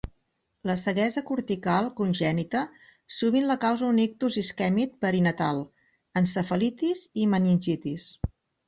La ceguesa cortical congènita sovint la causa un ictus isquèmic perinatal, encefalitis i meningitis.